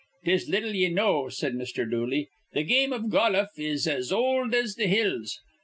"'Tis little ye know," said Mr. Dooley. "Th' game iv goluf is as old as th' hills.